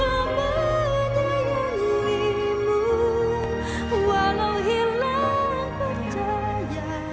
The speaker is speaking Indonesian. oma kebaikan hati atau orang lainnya